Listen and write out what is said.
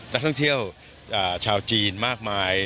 นักท่องเที่ยวชาวจีนมากมาย